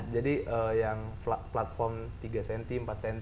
jadi yang platform tiga cm empat cm yang saat itu belum ada gitu kan